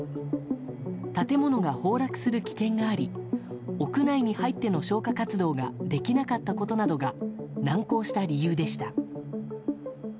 建物が崩落する危険があり屋内に入っての消火活動ができなかったことなどが難航した理由でした。